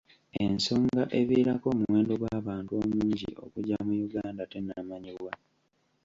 Ensoga eviirako omuwendo gw'abantu omungi okujja mu Uganda tennamanyibwa.